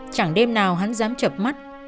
chẳng đêm nào hắn dám chập mắt